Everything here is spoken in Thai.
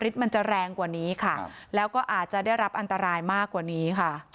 มันจะแรงกว่านี้ค่ะแล้วก็อาจจะได้รับอันตรายมากกว่านี้ค่ะ